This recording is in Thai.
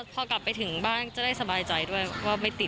พอกลับไปถึงบ้านจะได้สบายใจด้วยว่าไม่ติด